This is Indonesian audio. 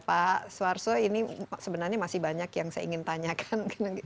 pak suarso ini sebenarnya masih banyak yang saya ingin tanyakan